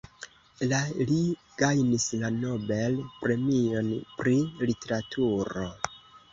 La li gajnis la Nobel-premion pri literaturo.